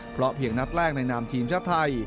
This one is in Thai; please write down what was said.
เพราะเพียงนัดแรกในนามทีมชาติไทย